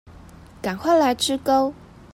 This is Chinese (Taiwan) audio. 趕快來吃鉤